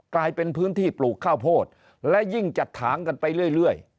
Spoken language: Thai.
กลายเป็นพื้นที่ปลูกข้าวโพดและยิ่งจัดถางกันไปเรื่อย